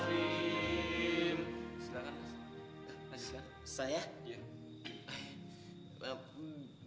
personik allah wa primitive